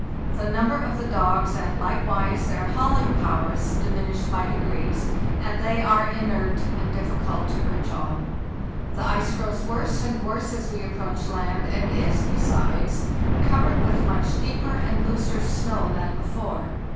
The number of the dogs, and likewise their hauling powers, diminish by degrees, and they are inert and difficult to urge on. The ice grows worse and worse as we approach land, and 1s, besides, covered with much deeper and looser snow than before.